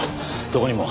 どこにも。